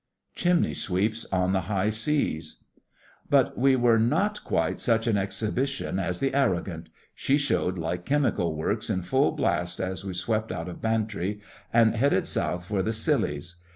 CHIMNEY SWEEPS ON THE HIGH SEAS But we were not quite such an exhibition as the Arrogant. She showed like chemical works in full blast as we swept out of Bantry and headed south for the Scillies.